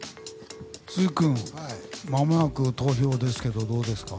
鈴木君まもなく投票ですけどどうですか。